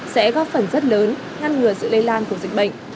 sẽ góp phần rất lớn ngăn ngừa sự lây lan của dịch bệnh